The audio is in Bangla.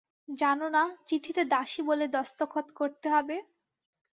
জান না, চিঠিতে দাসী বলে দস্তখত করতে হবে?